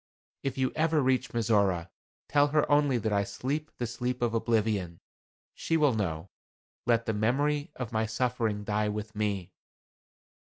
If you ever reach Mizora, tell her only that I sleep the sleep of oblivion. She will know. Let the memory of my suffering die with me."